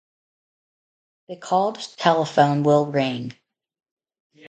The called telephone will ring.